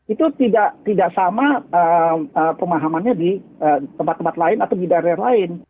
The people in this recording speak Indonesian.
itu tidak sama pemahamannya di tempat tempat lain atau di daerah lain